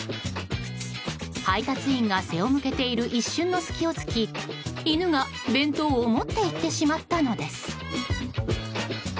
配達員が背を向けてる一瞬の隙を突き犬が弁当を持っていってしまったのです。